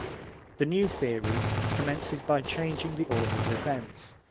The new theory commences by changing the order of events.